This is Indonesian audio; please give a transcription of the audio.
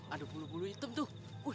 aduh bulu bulu hitam tuh